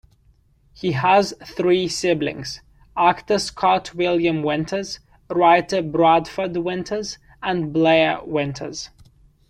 He has three siblings: actor Scott William Winters, writer Bradford Winters, and Blair Winters.